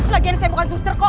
lagian saya bukan suster kok